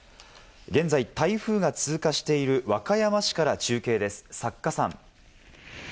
現在、台風が通過している和歌山市から中継です、属さん。